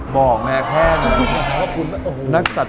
บอกแม่แค่นั้น